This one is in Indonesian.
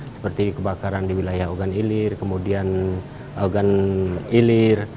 seperti kebakaran di wilayah ogan ilir kemudian ogan ilir